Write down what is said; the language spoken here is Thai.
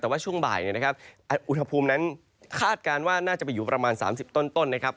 แต่ว่าช่วงบ่ายอุณหภูมินั้นคาดการณ์ว่าน่าจะไปอยู่ประมาณ๓๐ต้นนะครับ